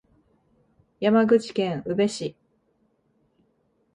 山口県宇部市